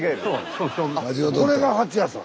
これが蜂屋さん？